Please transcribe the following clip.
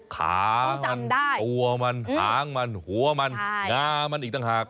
ขามันตัวมันหางมันหัวมันงามันอีกต่างหาก